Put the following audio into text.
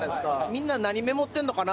みんな何メモってんのかな？